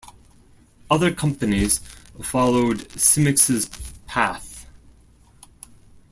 Other companies followed Symyx's path.